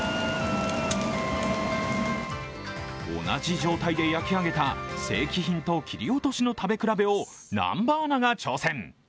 同じ状態で焼き上げた正規品と切り落としの食べ比べを南波アナが挑戦。